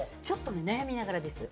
悩みながらです。